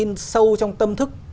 in sâu trong tâm thức